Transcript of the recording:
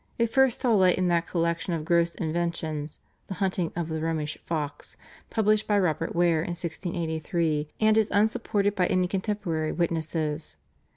It first saw the light in that collection of gross inventions, /The Hunting of the Romish Fox/, published by Robert Ware in 1683, and is unsupported by any contemporary witnesses.